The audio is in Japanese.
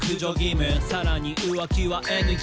「さらに浮気はＮＧ」